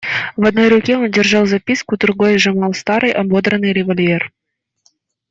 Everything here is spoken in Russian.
В одной руке он держал записку, другой сжимал старый, ободранный револьвер.